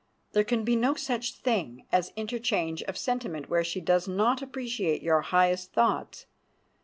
There can be no such a thing as interchange of sentiment where she does not appreciate your highest thoughts.